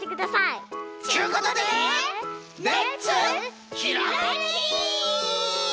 ちゅうことでレッツひらめき！